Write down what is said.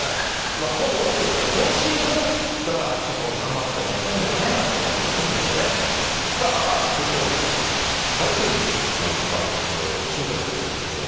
今オフですから、今シーズン、だからちょっと頑張ってもらいたいですね、また大谷選手にはね。さあ、続いては回転ずしなんですが、進化してるようです。